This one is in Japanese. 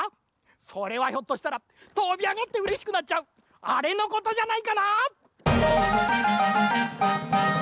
それはひょっとしたらとびあがってうれしくなっちゃうあれのことじゃないかな？